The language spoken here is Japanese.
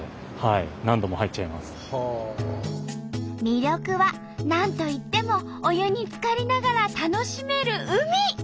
魅力は何といってもお湯につかりながら楽しめる海。